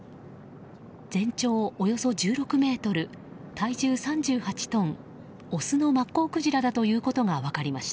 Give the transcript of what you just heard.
全長およそ１６ｍ、体重３８トンオスのマッコウクジラだということが分かりました。